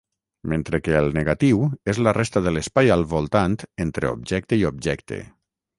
Mentre que el negatiu és la resta d'espai al voltant entre objecte i objecte.